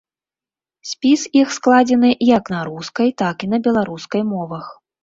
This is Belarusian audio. Спіс іх складзены як на рускай, так і на беларускай мовах.